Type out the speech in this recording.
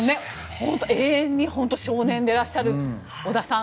永遠に少年でいらっしゃる織田さん。